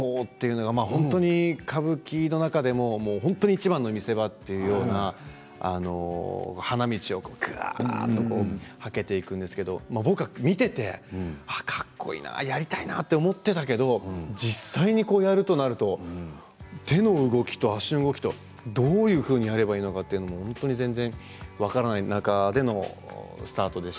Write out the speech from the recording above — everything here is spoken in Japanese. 本当に、歌舞伎の中でも六方は本当にいちばんの見せ場というような花道をはけていくんですけど僕は見ていてかっこいいな、やりたいなと思っていたけど実際に、こうやるとなると手の動きと足の動きとどういうふうにやればいいのか全然分からない。